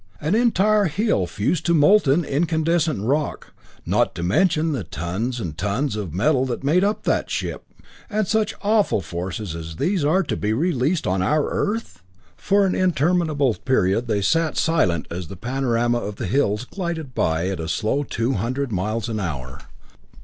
An entire hill fused to molten, incandescent rock, not to mention the tons and tons of metal that made up that ship. "And such awful forces as these are to be released on our Earth!" For an interminable period they sat silent as the panorama of hills glided by at a slow two hundred miles an hour.